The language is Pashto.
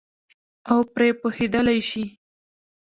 او پرې پوهېدلای شي.